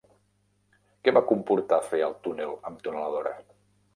Què va comportar fer el túnel amb tuneladora?